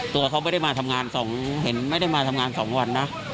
ตัวเขาไม่ได้มาทำงานเห็นไม่ได้มาทำงาน๒วันนะ